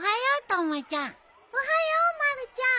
・おはようたまちゃん。